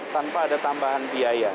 tanpa ada tambahan biaya